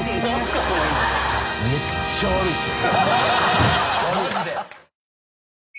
めっちゃ悪いっすよ。